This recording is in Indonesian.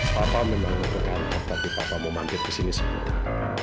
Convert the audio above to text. papa memang mau ke kantor tapi papa mau mantep ke sini sebentar